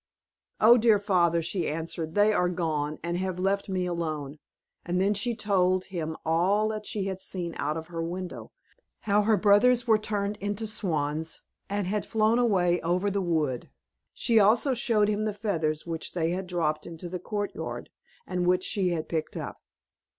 "Oh, dear father," she answered, "they are gone, and have left me alone," and then she told him all that she had seen out of her window; how her brothers were turned into swans, and had flown away over the wood; she also showed him the feathers which they had dropped into the courtyard, and which she had picked up.